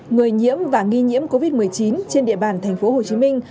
người nhiễm và nghi nhiễm covid một mươi chín trên địa bàn tp hcm